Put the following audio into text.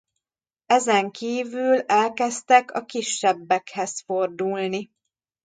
Ezenkívül elkezdtek a kisebbekhez fordulni.